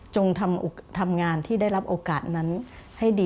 ทำงานที่ได้รับโอกาสนั้นให้ดี